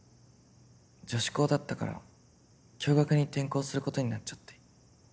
女子校だったから共学に転校することになっちゃって。